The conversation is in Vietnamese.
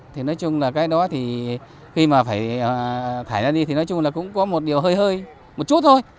thì nói chung là cái đó thì khi mà phải thải ra đi thì nói chung là cũng có một điều hơi một chút thôi